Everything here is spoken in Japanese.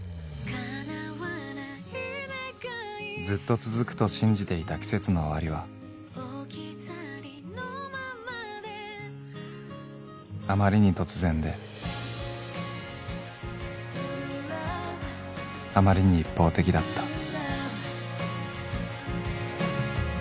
［ずっと続くと信じていた季節の終わりはあまりに突然であまりに一方的だった］